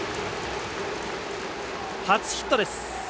初ヒットです。